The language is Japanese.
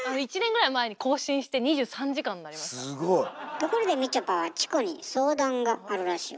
ところでみちょぱはチコに相談があるらしいわね。